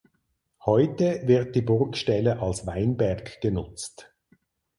Heute wird die Burgstelle als Weinberg genutzt.